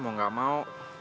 mau nggak mau